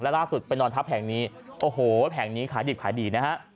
ล่าสุดไปนอนทับแห่งนี้โอ้โหแผงนี้ขายดิบขายดีนะฮะ